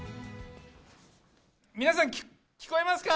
皆さん、聞こえますか？